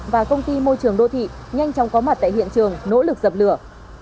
và công ty môi trường đô thị nhanh chóng có mặt tại hiện trường nỗ lực dập lửa